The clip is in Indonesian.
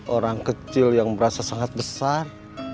orang kecil yang merasa sangat besar